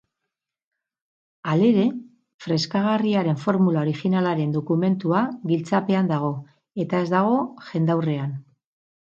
Halere, freskagarriaren formula originalaren dokumentua giltzapean dago, eta ez dago jendaurrean.